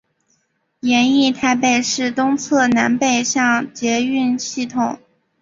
研议台北市东侧南北向捷运系统。